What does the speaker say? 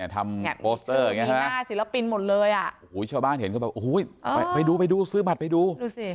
ทำโปสเตอร์มีหน้าศิลปินหมดเลยไปดูซื้อบัตรไปดู